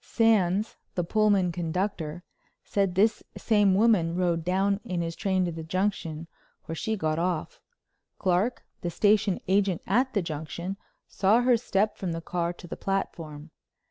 Sands, the Pullman conductor, said this same woman rode down in his train to the Junction, where she got off. Clark, the station agent at the Junction, saw her step from the car to the platform.